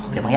iya bang ya